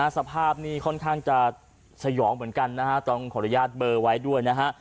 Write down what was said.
สภาพนี้ค่อนข้างจะสยองเหมือนกันนะฮะต้องขออนุญาตเบอร์ไว้ด้วยนะฮะ